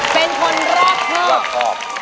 เป็นคนรับเพราะ